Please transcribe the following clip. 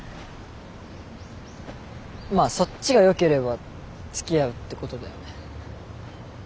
まあそっちがよければつきあうってことだよね。